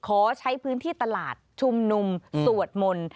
ขอใช้พื้นที่ตลาดชุมนุมสวดมนต์